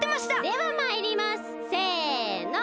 ではまいります！せの！